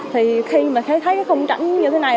thì khi mình thấy không trảnh như thế này